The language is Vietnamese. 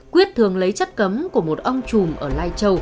quyết thường lấy chất cấm của một ông chùm ở lai châu